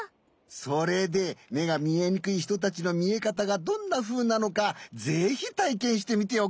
それでめがみえにくいひとたちのみえかたがどんなふうなのかぜひたいけんしてみておくれ！